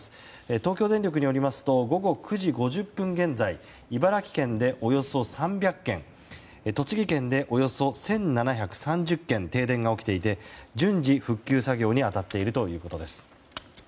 東京電力によりますと午後９時５０分現在茨城県でおよそ３００軒栃木県でおよそ１７３０軒停電が起きていて順次、復旧作業に当たっているということです。